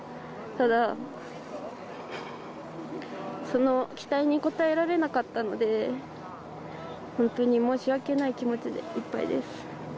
ただ、その期待に応えられなかったので、本当に申し訳ない気持ちでいっぱいです。